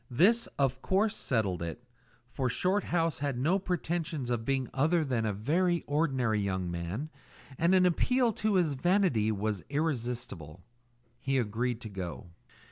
This, of course, settled it, for Shorthouse had no pretensions to being other than a very ordinary young man, and an appeal to his vanity was irresistible. He agreed to go.